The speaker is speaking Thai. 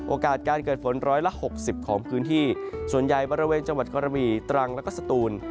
การเกิดฝนร้อยละหกสิบของพื้นที่ส่วนใหญ่บริเวณจังหวัดกระบี่ตรังแล้วก็สตูน